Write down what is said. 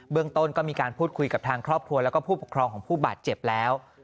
เรื่องต้นก็มีการพูดคุยกับทางครอบครัวแล้วก็ผู้ปกครองของผู้บาดเจ็บแล้ว